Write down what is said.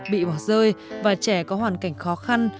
bị bỏ rơi và trẻ có hoàn cảnh khó khăn